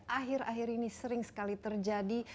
akhir akhir ini sering sekali terjadi